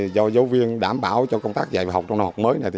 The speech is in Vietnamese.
giáo viên đảm bảo cho công tác dạy học trong đoàn học mới này